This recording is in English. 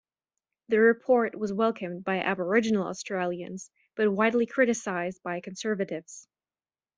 The report was welcomed by Aboriginal Australians but widely criticised by conservatives.